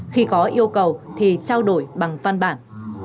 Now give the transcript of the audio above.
khi có yêu cầu thì trao đổi bằng văn bản